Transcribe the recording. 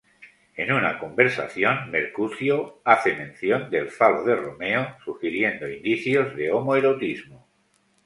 En una conversación, Mercucio hace mención del falo de Romeo, sugiriendo indicios de homoerotismo.